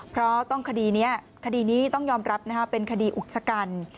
เพราะต้องคดีนี้คดีนี้ต้องยอมรับเป็นคดีอุกชะกัน